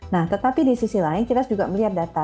nah tetapi di sisi lain kita juga melihat data